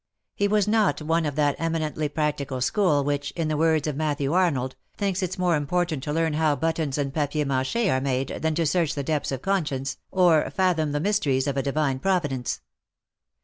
He was not one of that eminently practical school which, in the words of Matthew Arnold, thinks it more important to learn how buttons and papier rnclc he are made than to search the depths of conscience, or fathom the mysteries of a Divine Providence.